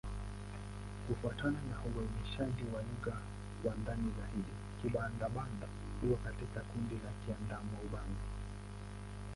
Kufuatana na uainishaji wa lugha kwa ndani zaidi, Kibanda-Banda iko katika kundi la Kiadamawa-Ubangi.